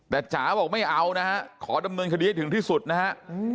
แต่จ๋าบอกไม่เอานะฮะขอดำเนินคดีให้ถึงที่สุดนะฮะ